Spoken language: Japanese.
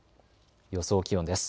予想気温です。